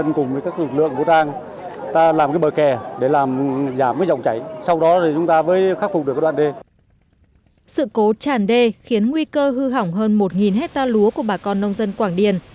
sự cố tràn đê khiến nguy cơ hư hỏng hơn một hectare lúa của bà con nông dân quảng điền